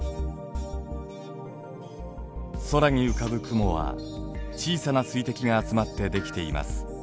空に浮かぶ雲は小さな水滴が集まって出来ています。